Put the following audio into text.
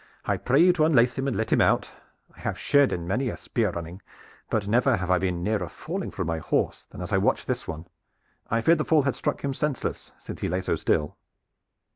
"I pray you to unlace him and let him out! I have shared in many a spear running, but never have I been nearer falling from my horse than as I watched this one. I feared the fall had struck him senseless, since he lay so still."